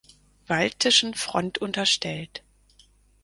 Baltischen Front unterstellt.